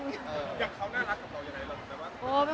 อย่างเขาน่ารักกับเราอย่างไรล่ะ